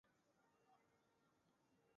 出生在康乃狄克州的费尔菲尔德。